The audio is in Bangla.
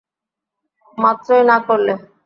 মাত্রই না করলে।